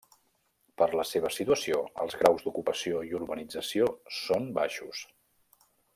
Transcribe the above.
Per la seva situació, els graus d'ocupació i urbanització són baixos.